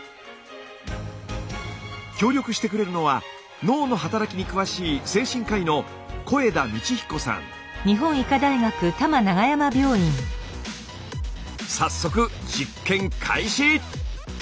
協力してくれるのは脳の働きに詳しい精神科医の早速実験開始！